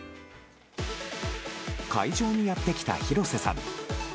会場にやってきた廣瀬さん。